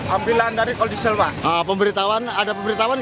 ada pemberitahuan dari pihak